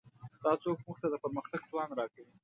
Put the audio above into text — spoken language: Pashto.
دا ځواک موږ ته د پرمختګ توان راکوي.